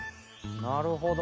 なるほどね。